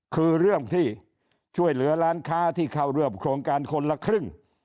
คือเรื่องที่ช่วยเหลือร้านค้าที่เข้าร่วมโครงการคนละครึ่ง